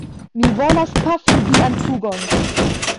Mi volas pafi vian pugon!